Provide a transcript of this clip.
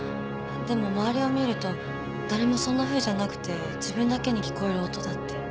でも周りを見ると誰もそんなふうじゃなくて自分だけに聞こえる音だって。